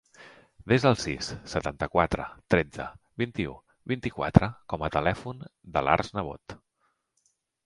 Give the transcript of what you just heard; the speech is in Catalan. Desa el sis, setanta-quatre, tretze, vint-i-u, vint-i-quatre com a telèfon de l'Arç Nebot.